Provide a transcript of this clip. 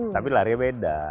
tapi larinya beda